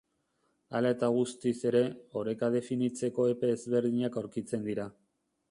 Hala eta guztiz ere, oreka definitzeko epe ezberdinak aurkitzen dira.